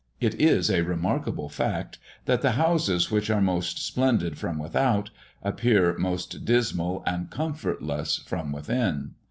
It is a remarkable fact, that the houses which are most splendid from without, appear most dismal and comfortless from within.